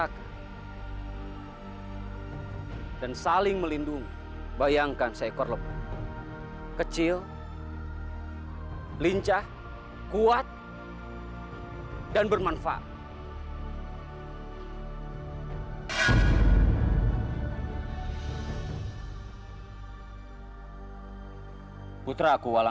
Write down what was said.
kian santang kamu tidak apa apa nak